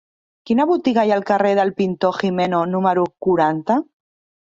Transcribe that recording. Quina botiga hi ha al carrer del Pintor Gimeno número quaranta?